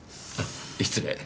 失礼。